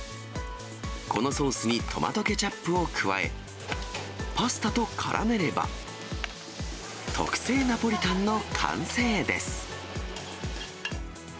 このソースにトマトケチャップを加え、パスタとからめれば、特製ナポリタンの完成です。